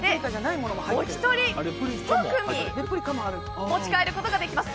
お一人、１組持ち帰ることができます。